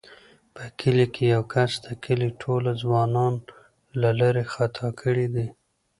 په کلي کې یوه کس د کلي ټوله ځوانان له لارې خطا کړي دي.